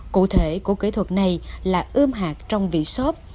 cụ thể của kỹ thuật này là ươm hạt trong vị shop